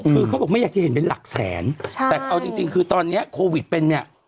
คือเขาบอกไม่อยากจะเห็นเป็นหลักแสนใช่แต่เอาจริงจริงคือตอนเนี้ยโควิดเป็นเนี่ย